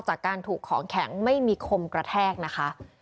จากการถูกของแข็งไม่มีคมกระแทกนะคะ